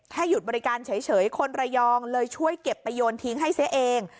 หยุดบริการเฉยคนระยองเลยช่วยเก็บไปโยนทิ้งให้เสียเอง